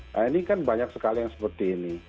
nah ini kan banyak sekali yang seperti ini